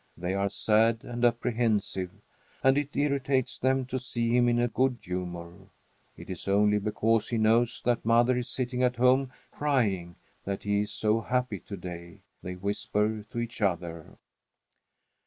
They are sad and apprehensive, and it irritates them to see him in a good humor. "It is only because he knows that mother is sitting at home crying that he is so happy to day," they whisper to each other.